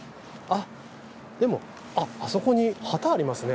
でもあそこに旗ありますね。